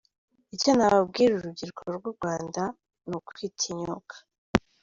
Icyo nabwira urubyiruko rw’u Rwanda, ni ukwitinyuka.